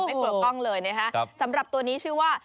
กลัวกล้องเลยนะฮะสำหรับตัวนี้ชื่อว่า